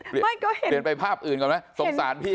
ปกติเชื่อไปภาพอื่นต่อนะสงสารพี่